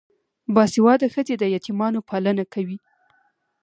باسواده ښځې د یتیمانو پالنه کوي.